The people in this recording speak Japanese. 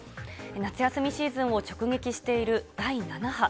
夏休みシーズンを直撃している第７波。